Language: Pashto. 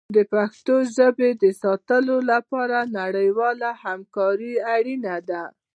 د پښتو ژبې د ساتنې لپاره نړیواله همکاري اړینه ده.